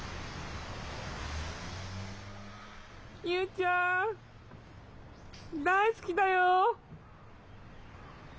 ゆうちゃん、大好きだよ。